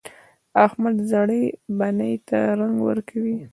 احمد زړې بنۍ ته رنګ ورکوي.